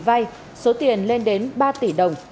vai số tiền lên đến ba tỷ đồng